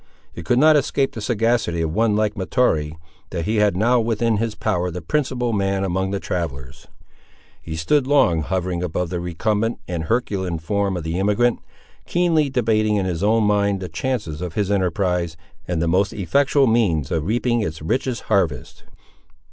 It could not escape the sagacity of one like Mahtoree, that he had now within his power the principal man among the travellers. He stood long hovering above the recumbent and Herculean form of the emigrant, keenly debating in his own mind the chances of his enterprise, and the most effectual means of reaping its richest harvest.